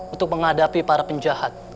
untuk menghadapi para penjahat